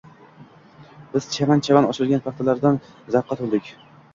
.Biz chaman-chaman ochilgan paxtalardan zavqqa to‘ldik.